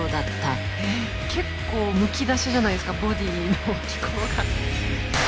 結構むき出しじゃないですかボディーの機構が。